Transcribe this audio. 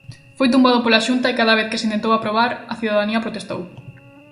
Foi tumbado pola Xunta e cada vez que se intentou aprobar, a cidadanía protestou.